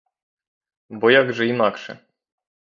Бо як же інакше?